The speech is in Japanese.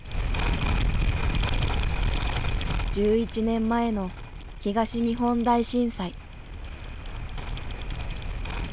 １１年前の東日本大震災。